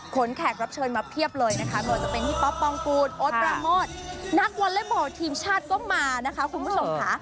แขกรับเชิญมาเพียบเลยนะคะไม่ว่าจะเป็นพี่ป๊อปปองกูลโอ๊ตปราโมทนักวอเล็บบอลทีมชาติก็มานะคะคุณผู้ชมค่ะ